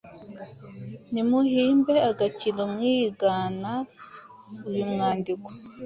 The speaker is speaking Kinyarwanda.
nimuhimbe agakino mwigana uyumwandiko